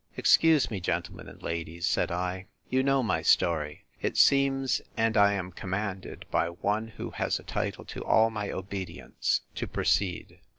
Excuse me, gentlemen and ladies, said I! you know my story, it seems; and I am commanded, by one who has a title to all my obedience, to proceed.